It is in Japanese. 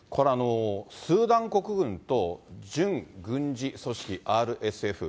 スーダン国軍と準軍事組織ＲＳＦ。